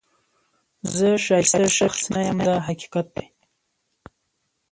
زه ښایسته شخص نه یم دا حقیقت دی.